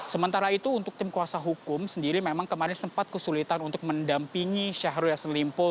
sementara itu untuk tim kuasa hukum sendiri memang kemarin sempat kesulitan untuk mendampingi syahrul yassin limpo